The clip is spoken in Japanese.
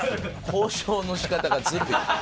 交渉の仕方がずるい。